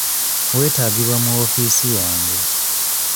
Weetaagibwa mu woofiisi ya nankulu.